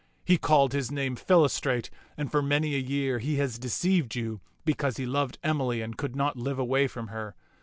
He called his name Philostrate, and for many a year he has deceived you. because he loved Emily and could not live away from her.